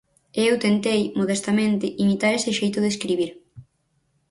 E eu tentei, modestamente, imitar ese xeito de escribir.